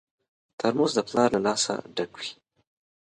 ترموز د پلار له لاسه ډک وي.